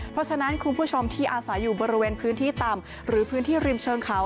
เพราะฉะนั้นคุณผู้ชมที่อาศัยอยู่บริเวณพื้นที่ต่ำหรือพื้นที่ริมเชิงเขา